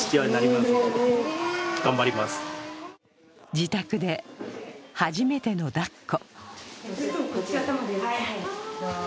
自宅で、初めての抱っこ。